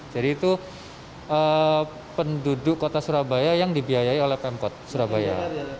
jadi itu penduduk kota surabaya yang dibiayai oleh pemkot surabaya